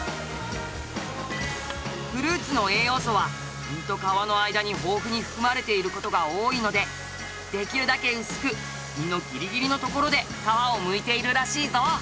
フルーツの栄養素は実と皮の間に豊富に含まれている事が多いのでできるだけ薄く実のギリギリのところで皮をむいているらしいぞ。